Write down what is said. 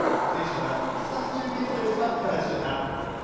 選手が待つ伊勢崎中継所の様子はいかがでしょうか？